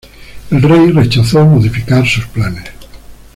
El rey rechazó modificar sus planes.